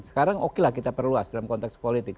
sekarang okelah kita perluas dalam konteks politik